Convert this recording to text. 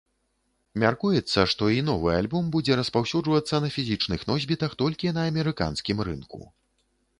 Мяркуецца, што і новы альбом будзе распаўсюджвацца на фізічных носьбітах толькі на амерыканскім рынку.